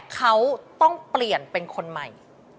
เขาต้องเปลี่ยนเป็นคนใหม่